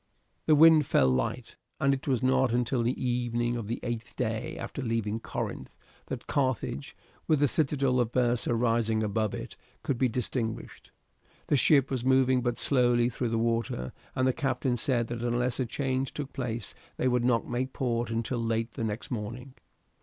The wind fell light and it was not until the evening of the eighth day after leaving Corinth that Carthage, with the citadel of Byrsa rising above it, could be distinguished. The ship was moving but slowly through the water, and the captain said that unless a change took place they would not make port until late the next morning.